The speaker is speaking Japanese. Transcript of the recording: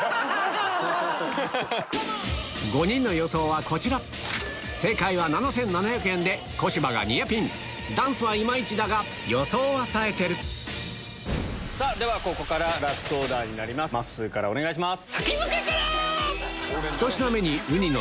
５人の予想はこちら小芝がニアピンダンスは今イチだが予想はさえてるではラストオーダーになりますまっすーからお願いします。